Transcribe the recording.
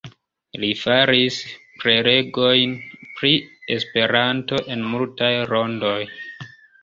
Li faris prelegojn pri Esperanto en multaj rondoj.